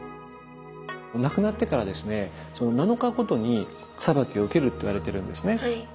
亡くなってからですね７日ごとに裁きを受けるといわれてるんですね。